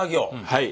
はい。